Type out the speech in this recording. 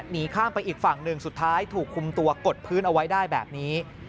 หนีข้ามไปอีกฝั่งหนึ่งสุดท้ายถูกคุมตัวกดพื้นเอาไว้ได้แบบนี้